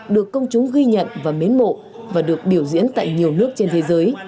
được công chúng ghi nhận và mến mộ và được biểu diễn tại nhiều nước trên thế giới